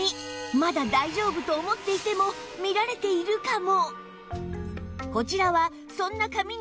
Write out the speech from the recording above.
まだ大丈夫と思っていても見られているかも